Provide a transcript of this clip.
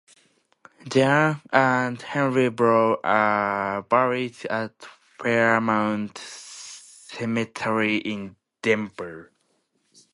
Jane and Henry Brown are buried at Fairmount Cemetery in Denver.